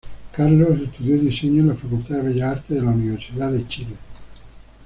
Carlos estudió diseño en la Facultad de Bellas Artes de la Universidad de Chile.